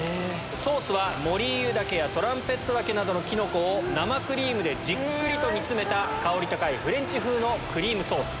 ソースはモリーユ茸やトランペット茸などのキノコを生クリームでじっくりと煮つめた香り高いフレンチ風のクリームソース。